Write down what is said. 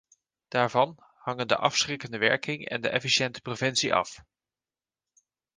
Daarvan hangen de afschrikkende werking en de efficiënte preventie af.